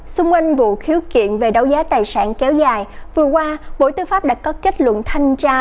xung quanh vụ khiếu kiện về đấu giá tài sản kéo dài vừa qua bộ tư pháp đã có kết luận thanh tra